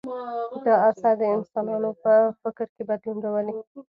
دا اثر د انسانانو په فکر کې بدلون راولي.